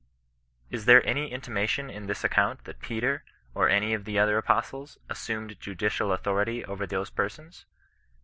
Is there any intimation in this ac count, that Peter, or any of the other apostles, assumed judicial authority over those persons